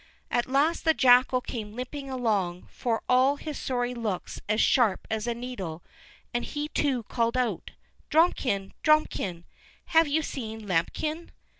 At last the jackal came limping along, for all his sorry looks as sharp as a needle, and he too called out: "Drumikin! Drumikin! Have you seen Lambikin?"